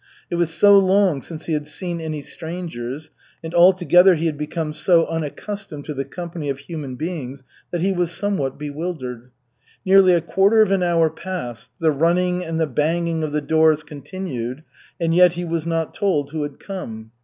It was so long since he had seen any strangers, and altogether he had become so unaccustomed to the company of human beings, that he was somewhat bewildered. Nearly a quarter of an hour passed, the running and the banging of the doors continued, and yet he was not told who had come.